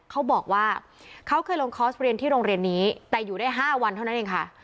เขาบอกว่าเขาเคยลงคอร์สเรียนที่โรงเรียนนี้แต่อยู่ได้๕วันเท่านั้นเองค่ะ